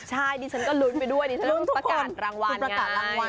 ใช่ดิฉันก็ลุ้นไปด้วยดิฉันต้องประกาศรางวัลไง